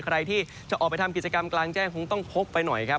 ใครที่จะออกไปทำกิจกรรมกลางแจ้งคงต้องพกไปหน่อยครับ